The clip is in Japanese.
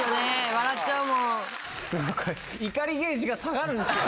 笑っちゃうもん。